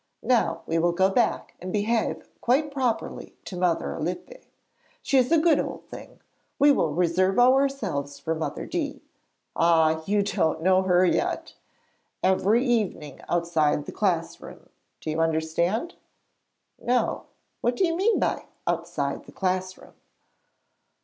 'Now we will go back and behave quite properly to Mother Alippe. She is a good old thing. We will reserve ourselves for Mother D. Ah, you don't know her yet! Every evening outside the class room. Do you understand?' 'No. What do you mean by "outside the class room"?'